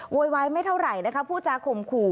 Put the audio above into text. โวยวายไม่เท่าไหร่นะคะผู้จาข่มขู่